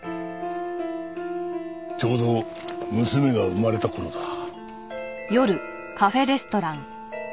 ちょうど娘が生まれた頃だな。